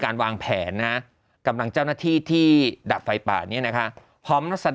วางแผนนะกำลังเจ้าหน้าที่ที่ดับไฟป่านี้นะคะพร้อมรัศด